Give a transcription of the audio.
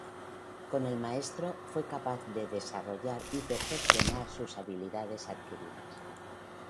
Con el maestro, fue capaz de desarrollar y perfeccionar sus habilidades adquiridas.